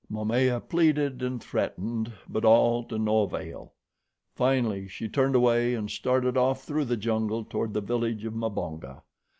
Momaya pleaded and threatened, but all to no avail. Finally, she turned away and started off through the jungle toward the village of Mbonga.